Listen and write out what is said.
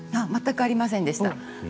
全くありませんでした。